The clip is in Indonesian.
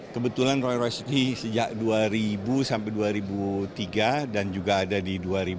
kebetulan roy royce ini sejak dua ribu sampai dua ribu tiga dan juga ada di dua ribu